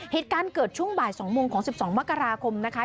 เหตุการณ์เกิดช่วงบ่าย๒โมงของ๑๒มกราคมนะคะ